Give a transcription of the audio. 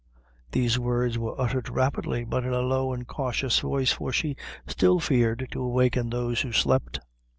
These words were uttered rapidly, but in a low and cautious voice, for she still feared to awaken those who slept.